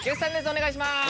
お願いします。